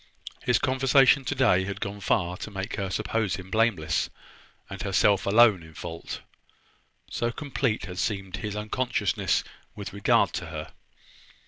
His conversation today had gone far to make her suppose him blameless, and herself alone in fault; so complete had seemed his unconsciousness with regard to her.